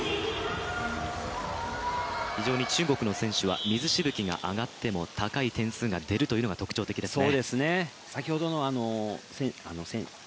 非常に中国の選手は水しぶきが上がっても高い点数が出るというのが特徴的ですね。